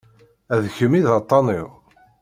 A d kemm i d aṭṭan-iw.